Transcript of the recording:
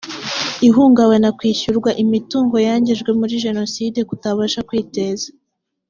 ihungabana kwishyurwa imitungo yangijwe muri jenoside kutabasha kwiteza